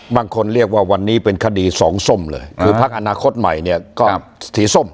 บางคนเรียกว่าวันนี้เป็นคดีสองส้มเลยคือพักอนาคตใหม่เนี่ยก็สีส้ม